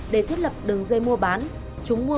để thiết lập đường dây mua bán